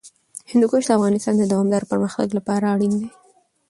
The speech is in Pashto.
هندوکش د افغانستان د دوامداره پرمختګ لپاره اړین دي.